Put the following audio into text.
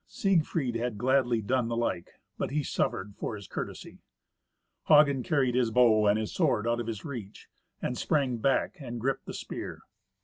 Siegfried had gladly done the like, but he suffered for his courtesy. Hagen carried his bow and his sword out of his reach, and sprang back and gripped the spear.